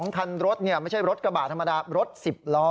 คันรถไม่ใช่รถกระบะธรรมดารถ๑๐ล้อ